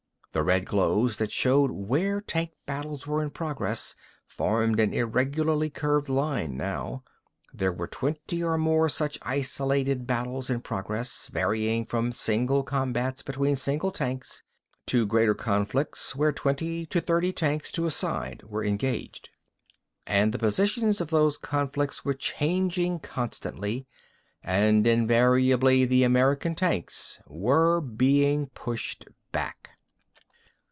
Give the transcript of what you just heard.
The red glows that showed where tank battles were in progress formed an irregularly curved line, now. There were twenty or more such isolated battles in progress, varying from single combats between single tanks to greater conflicts where twenty to thirty tanks to a side were engaged. And the positions of those conflicts were changing constantly, and invariably the American tanks were being pushed back.